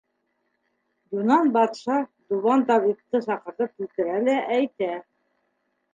Юнан батша Дубан табипты саҡыртып килтерә лә әйтә: